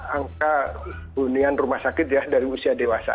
angka hunian rumah sakit ya dari usia dewasa